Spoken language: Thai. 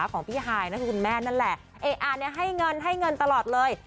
ของพี่ฮายคุณแม่นั่นแหละเอ้ออเขยเงินตลอดเลย